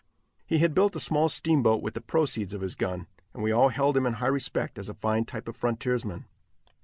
He had built a small steamboat with the proceeds of his gun, and we all held him in high respect as a fine type of frontiersman.